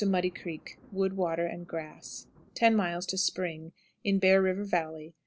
Muddy Creek. Wood, water, and grass. 10. Spring. In Bear River Valley.